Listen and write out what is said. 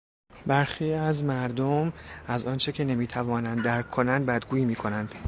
برخی از مردم از آنچه که نمیتوانند درک کنند بدگویی میکنند.